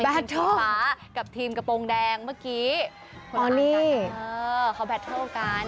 แบตเทิลกับทีมกระโปรงแดงเมื่อกี้คนอ่านกันค่ะเออเขาแบตเทิลกัน